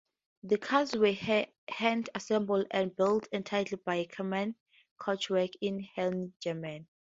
The cars were hand assembled and built entirely by Karmann Coachworks in Rheine, Germany.